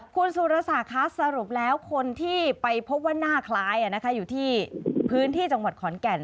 คุณสุรศักดิ์คะสรุปแล้วคนที่ไปพบว่าหน้าคล้ายอยู่ที่พื้นที่จังหวัดขอนแก่น